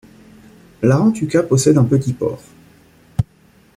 Larantuka possède un petit port.